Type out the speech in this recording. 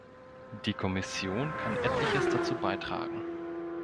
Die Kommission kann etliches dazu beitragen.